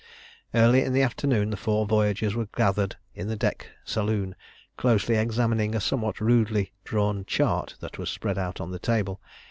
Early in the afternoon the four voyagers were gathered in the deck saloon, closely examining a somewhat rudely drawn chart that was spread out on the table.